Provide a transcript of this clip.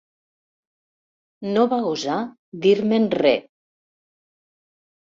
No va gosar dir-me'n re.